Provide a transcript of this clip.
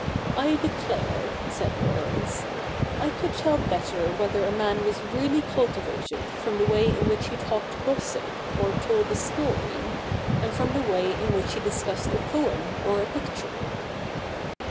I declare,' said Laurence, ' I could tell better whether a man was really cultivated from the way in which he talked gossip, or told a story, than from the way in which he discussed a poem or a picture.'